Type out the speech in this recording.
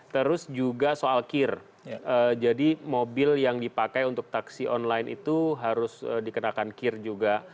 terus juga soal kir jadi mobil yang dipakai untuk taksi online itu harus dikenakan kir juga